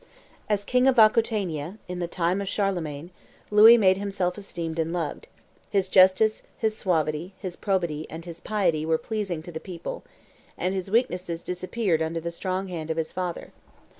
As king of Aquitania, in the time of Charlemagne, Louis made himself esteemed and loved; his justice, his suavity, his probity, and his piety were pleasing to the people, and his weaknesses disappeared under the strong hand of his father.